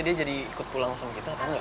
dia jadi ikut pulang sama kita atau enggak